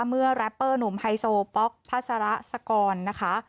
เมื่อแรปเปอร์หนุ่มไฮโซป๊อกพัสระสกรนะคะ